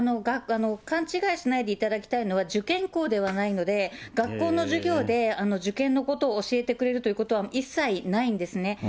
勘違いしないでいただきたいのは、受験校ではないので、学校の授業で受験のことを教えてくれるということは一切ないんですね。